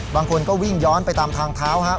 บางคนก็วิ่งย้อนไปตามทางเท้าครับ